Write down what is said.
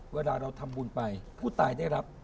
เวลาเราทำบุญไปผู้ตายได้รับ